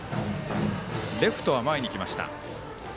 レフトは前に来ました。